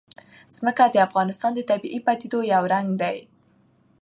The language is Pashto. ځمکه د افغانستان د طبیعي پدیدو یو رنګ دی.